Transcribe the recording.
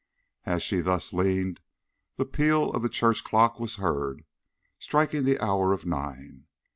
As she thus leaned, the peal of the church clock was heard, striking the hour of nine.